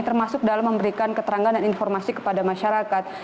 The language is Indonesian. termasuk dalam memberikan keterangan dan informasi kepada masyarakat